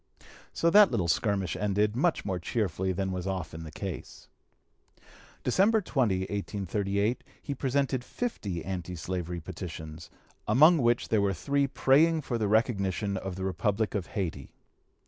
So that little skirmish ended, much more cheerfully than was often the case. December 20, 1838, he presented fifty anti slavery petitions, among which were three praying for the recognition of the Republic of Hayti.